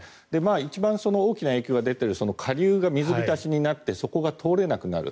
一番大きな影響が出ている下流が水浸しになってそこが通れなくなる。